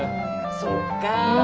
そっか！